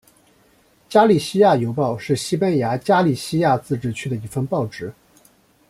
加利西亚邮报是西班牙加利西亚自治区的一份报纸。